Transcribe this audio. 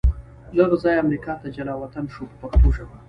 له هغه ځایه امریکا ته جلا وطن شو په پښتو ژبه.